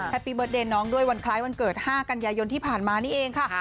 ปีเตอร์เดนน้องด้วยวันคล้ายวันเกิด๕กันยายนที่ผ่านมานี่เองค่ะ